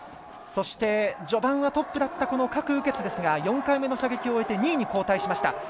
そして、序盤はトップだった郭雨潔ですが４回目の射撃を終えて２位に後退しました。